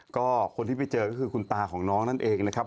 ก็คนที่ไปเจอก็คือคุณตาของน้องนั่นเองนะครับ